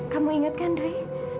kamu ingat kan drei